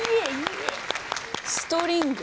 ストリング。